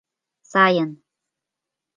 Сайын.